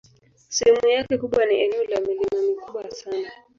Sehemu yake kubwa ni eneo la milima mikubwa sana.